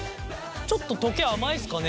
ちょっと溶け甘いっすかね？